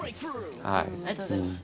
ありがとうございます。